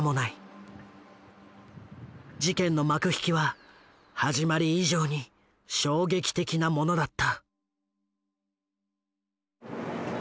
事件の幕引きは始まり以上に衝撃的なものだった。